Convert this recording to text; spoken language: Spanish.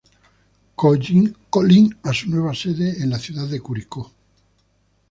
Colín a su nueva sede en la ciudad de Curicó.